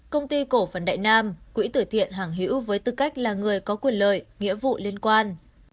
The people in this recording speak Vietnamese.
công ty cổ phần đại nam quỹ tử thiện hàng hữu với tư cách là người có quyền lợi nghĩa vụ liên quan